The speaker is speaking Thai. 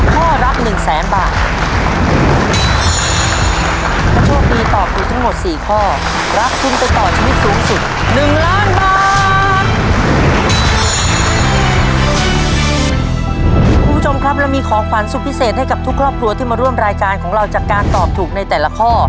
คุณผู้ชมครับเรามีของขวัญสุดพิเศษให้กับทุกครอบครัวที่มาร่วมรายการของเราจากการตอบถูกในแต่ละข้อ